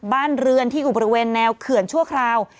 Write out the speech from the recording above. บ้านเรือนที่อยู่บริเวณแนวเขื่อนชั่วคราว